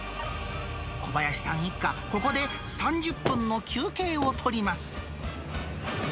小林さん一家、ここで３０分の休憩を取ります。